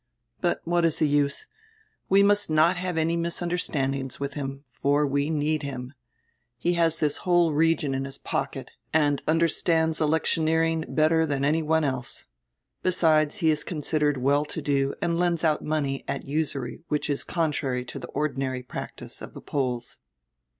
But what is the use? We must not have any misunderstandings with him, for we need him. He has diis whole region in his pocket and understands electioneering better dian any one else. Besides, he is considered well to do and lends out money at usury which is contrary to die ordinary practice of die Poles."